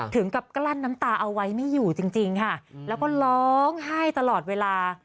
ถึงกับกลั้นน้ำตาเอาไว้ไม่อยู่จริงค่ะแล้วก็ร้องไห้ตลอดเวลา